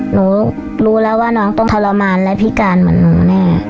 หนูรู้แล้วว่าน้องต้องทรมานและพิการเหมือนหนูแน่